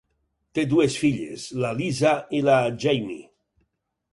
Té dues filles, la Lisa i la Jamie.